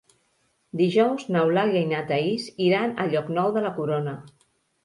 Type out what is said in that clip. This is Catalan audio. Dijous n'Eulàlia i na Thaís iran a Llocnou de la Corona.